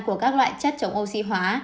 của các loại chất chống oxy hóa